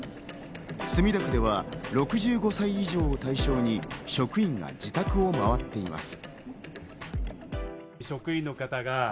墨田区では６５歳以上を対象に職員が自宅を回っています。